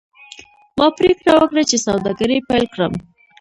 ما پریکړه وکړه چې سوداګري پیل کړم.